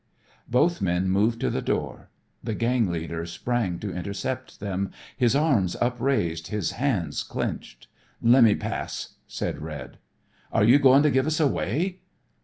Both men moved to the door. The gang leader sprang to intercept them, his arms upraised, his hands clenched. "Lemme pass," said Red. "Are you goin' to give us away?"